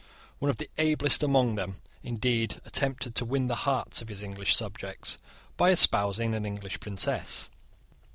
One of the ablest among them indeed attempted to win the hearts of his English subjects by espousing an English princess.